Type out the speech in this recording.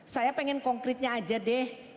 saya pengen konkretnya aja deh